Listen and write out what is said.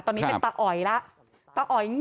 ตอนนี้เป็นตะออยละตะออยเงียบเลยอยู่ที่ไหนก็ไม่รู้เงียบไปเลยอะ